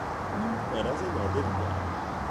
او مرض نادری دارد.